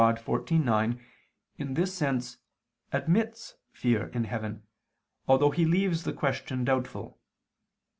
Dei xiv, 9) in this sense, admits fear in heaven, although he leaves the question doubtful.